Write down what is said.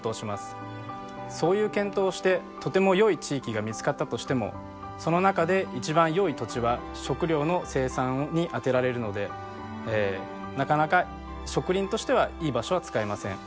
そういう検討をしてとてもよい地域が見つかったとしてもその中で一番よい土地は食料の生産に充てられるのでなかなか植林としてはいい場所は使えません。